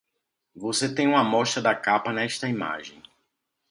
Você tem uma amostra da capa nesta imagem.